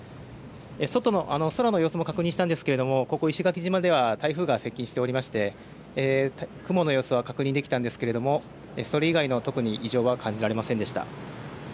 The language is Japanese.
外の空の様子も確認したんですけれどもここ石垣島では台風が接近しておりまして雲の様子は確認できたんですけれどもそれ以外の特に異常は感じられませんでした。